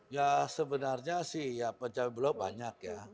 ya sebenarnya sih pencapaian bulog banyak ya